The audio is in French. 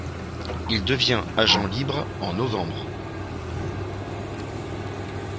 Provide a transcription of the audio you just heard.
Il devient agent libre en novembre.